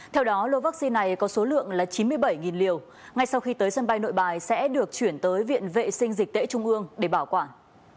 theo đó lô vaccine này có số lượng chín mươi bảy liều ngay sau khi tới sân bay nội bài sẽ được chuyển tới viện vệ sinh dịch tễ trung ương để bảo quản